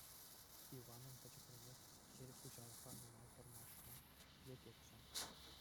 Иванӑн пӗчӗкренех кил хуҫалӑхра нумай тӑрмашма лекетчӗ.